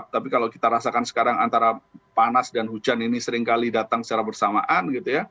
tapi kalau kita rasakan sekarang antara panas dan hujan ini seringkali datang secara bersamaan gitu ya